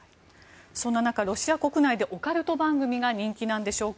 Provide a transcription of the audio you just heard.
そんな中、ロシア国内でオカルト番組が人気なのでしょうか。